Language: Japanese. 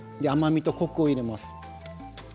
甘みとコクを入れます。